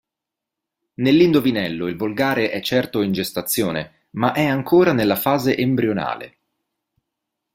Nell'Indovinello il volgare è certo in gestazione, ma è ancora nella fase embrionale.